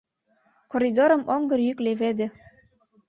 Коридорым оҥгыр йӱк леведе.